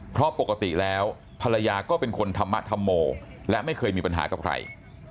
เพราะปกติแล้วภรรยาก็เป็นคนธรรมธรรโมและไม่เคยมีปัญหากับใคร